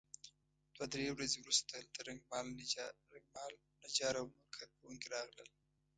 دوه درې ورځې وروسته هلته رنګمال نجار او نور کار کوونکي راغلل.